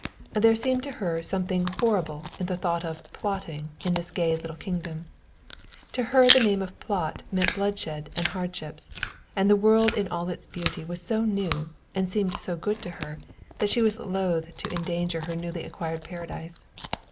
There seemed to her something horrible in the thought of "plotting" in this gay little kingdom. To her the name of "plot" meant bloodshed and hardships, and the world in all its beauty was so new, and seemed so good to her, that she was loath to endanger her newly acquired paradise.